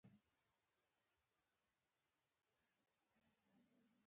پوهه نجونو ته د پریکړې کولو واک ورکوي.